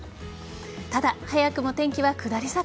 ただ、早くも天気は下り坂。